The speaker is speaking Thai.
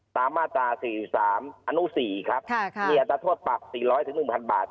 ตามมาตรา๔๓อนุ๔ครับเอียดต้อถปรับ๔๐๐จน๑๐๐๐บาท